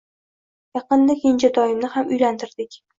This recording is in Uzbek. Yaqinda kenjatoyimni ham uylantirdik